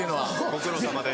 「ご苦労さまです」。